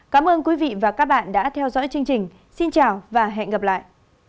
cảm ơn quý vị và các bạn đã theo dõi chương trình xin chào và hẹn gặp lại